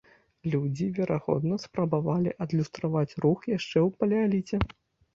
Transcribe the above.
Людзі, верагодна, спрабавалі адлюстраваць рух яшчэ ў палеаліце.